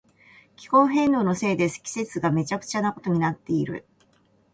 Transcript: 気候変動のせいで季節がめちゃくちゃなことになっている。